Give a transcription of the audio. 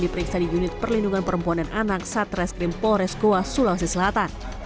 diperiksa di unit perlindungan perempuan dan anak satreskrim polres goa sulawesi selatan